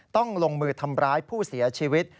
ต้องลงมือทำร้ายผู้เสียชีวิต